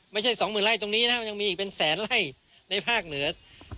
ไม่ใช่๒๐๐๐๐ไร่ตรงนี้นะมีอีกเป็นแสนไร่ในภาคเหนือ